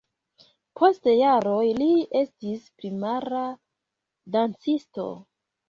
Post jaroj li estis primara dancisto.